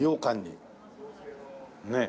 ねえ。